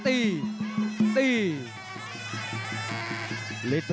เสริมหักทิ้งลงไปครับรอบเย็นมากครับ